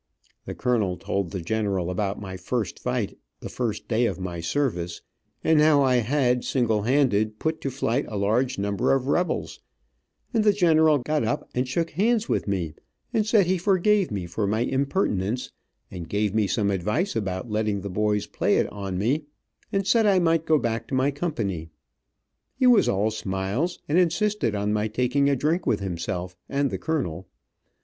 The colonel told the general about my first fight the first day of my service, and how I had, single handed, put to flight a large number of rebels, and the general got up and shook hands with me, and said he forgave me for my impertinence, and gave me some advice about letting the boys play it on me, and said I might go back to my company. He was all smiles, and insisted on my taking a drink with himself and the colonel.